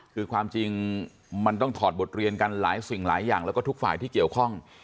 คือความจริงมันต้องถอดบทเรียนกันหลายสิ่งหลายอย่างแล้วก็ทุกฝ่ายที่เกี่ยวข้อง